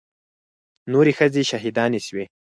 نورې ښځې شهيدانې سوې.